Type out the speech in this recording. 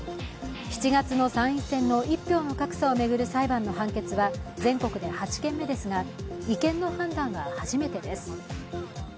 ７月の参院選の一票の格差を巡る裁判の判決は全国で８件目ですが、違憲の判断は初めてです。